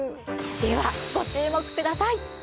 ではご注目ください。